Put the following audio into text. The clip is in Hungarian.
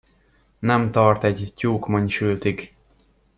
Nem tart egy tyúkmonysültig.